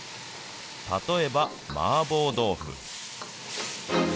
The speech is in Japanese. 例えば麻婆豆腐。